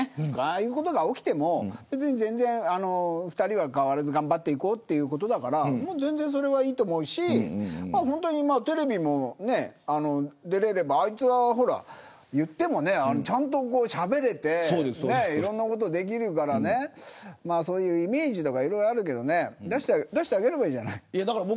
ああいうことがあっても２人は変わらずに頑張っていこうということだからそれはいいと思うしテレビもあいつは、ちゃんとしゃべれていろんなことができるからそういうイメージはいろいろあるけど出してあげればいいじゃない。